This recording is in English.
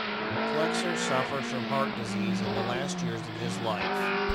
Flexer suffered from heart disease in the last years of his life.